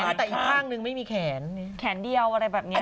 มีแขนแต่อีกข้างนึงไม่มีแขนแขนเดียวอะไรแบบเนี้ยบ่อย